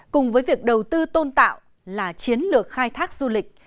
cùng với việc đầu tư tôn tạo là chiến lược khai thác du lịch